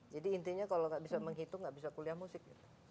jadi intinya kalau nggak bisa menghitung nggak bisa kuliah musik